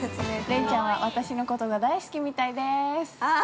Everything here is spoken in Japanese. ◆恋ちゃんは、私のことが大好きみたいでーす。